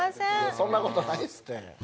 そんな事ないですって。